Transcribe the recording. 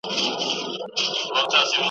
سوداګر ته پیر ویله چي هوښیار یې .